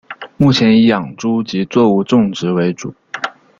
目前以养猪及作物种植为主。